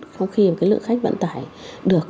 không khi lượng khách bận tải được